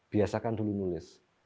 biasakan dulu nulis